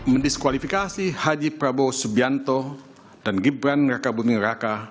mendiskualifikasi haji prabowo subianto dan gibran raka buming raka